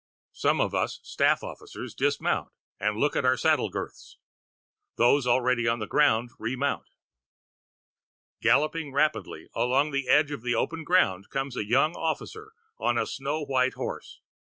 Some of us staff officers dismount and look at our saddle girths; those already on the ground remount. Galloping rapidly along in the edge of the open ground comes a young officer on a snow white horse.